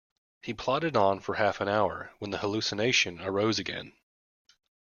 He plodded on for half an hour, when the hallucination arose again.